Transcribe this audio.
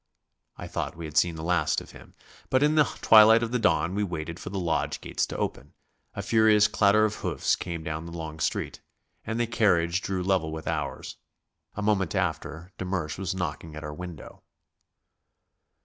I thought we had seen the last of him, but as in the twilight of the dawn we waited for the lodge gates to open, a furious clatter of hoofs came down the long street, and a carriage drew level with ours. A moment after, de Mersch was knocking at our window.